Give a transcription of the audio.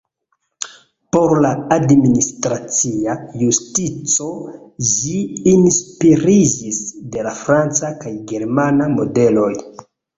Por la administracia justico ĝi inspiriĝis de la franca kaj germana modeloj.